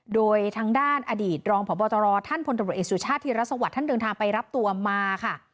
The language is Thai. โดยทางด้านอดีตรองพบตรท่านพลตำรวจเอกสุชาติธีรสวัสดิ์ท่านเดินทางไปรับตัวมาค่ะ